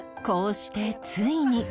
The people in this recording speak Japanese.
こうしてついに